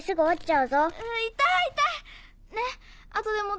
あっ！